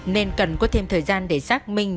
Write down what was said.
nên cần có thêm thời gian để xác minh